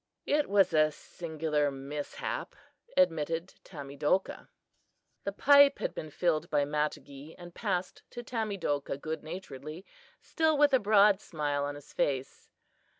"It was a singular mishap," admitted Tamedokah. The pipe had been filled by Matogee and passed to Tamedokah good naturedly, still with a broad smile on his face.